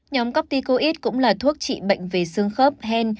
nhóm copticoid cũng là thuốc trị bệnh về xương khớp hen